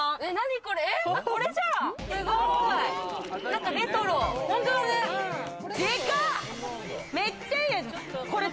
何これ？